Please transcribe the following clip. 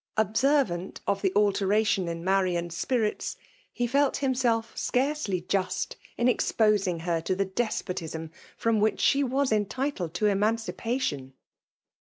Observant of the alteration in Marian's spirits, he felt himself scarcely just in exposing her to the despotism from which she was entitled to emancipation.